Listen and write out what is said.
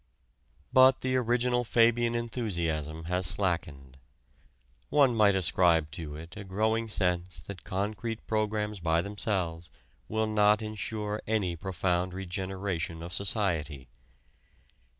But the original Fabian enthusiasm has slackened. One might ascribe it to a growing sense that concrete programs by themselves will not insure any profound regeneration of society.